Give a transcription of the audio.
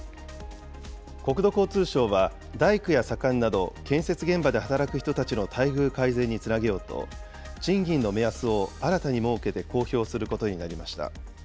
国土交通省は、大工や左官など建設現場で働く人たちの待遇改善につなげようと、賃金の目安を新たに設けて公表することになりました。